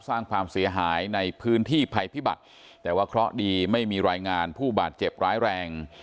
สร้างความเสียหายในพื้นที่ภัยพิบัติแต่ว่าเคราะห์ดีไม่มีรายงานผู้บาดเจ็บร้ายแรง